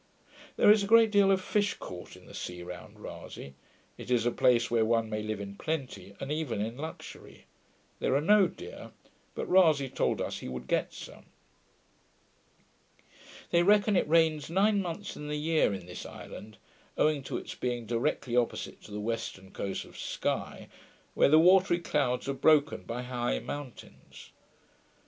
There is a great deal of fish caught in the sea round Rasay; it is a place where one may live in plenty, and even in luxury. There are no deer; but Rasay told us he would get some. They reckon it rains nine months in the year in this island, owing to its being directly opposite to the western coast of Sky, where the watery clouds are broken by high mountains.